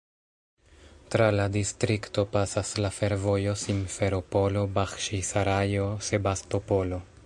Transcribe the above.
Tra la distrikto pasas la fervojo Simferopolo-Baĥĉisarajo-Sebastopolo.